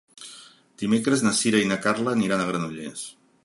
Dimecres na Sira i na Carla aniran a Granollers.